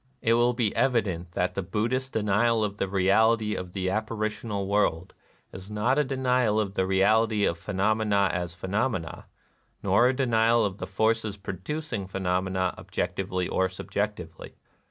It will be evident that the Buddhist denial of the reality of the apparitional world is not a denial of the reality of phenomena as phenomena, nor a denial of the forces pro ducing phenomena objectively or subjectively.